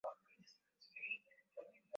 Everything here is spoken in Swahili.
Wafungwa wananyanyaswa sana